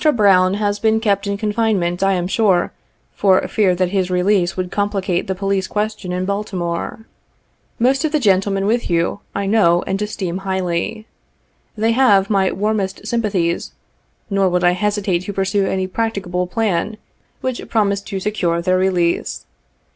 Brown has been kept in confinement, I am sure, for fear that his release would complicate the police question in Baltimore. Most of the gentlemen with you, I know and esteem highly. They have my warmest sympathies, nor would I hesitate to pursue any practicable plan which promised to secure their release.